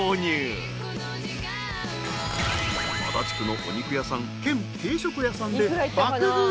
［足立区のお肉屋さん兼定食屋さんで爆食い］